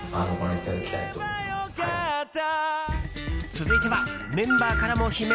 続いてはメンバーからも悲鳴？